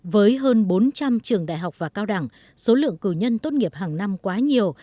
với hơn bốn trăm linh trường đại học và cao đẳng số lượng cử nhân tốt nghiệp hàng năm quá nhiều